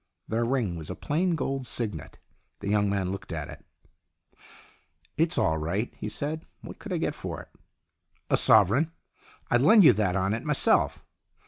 The ring was a plain gold signet. The young man looked at it. "It's all right," he said. "What could I get for it?" " A sovereign. I'd lend you that on it myself.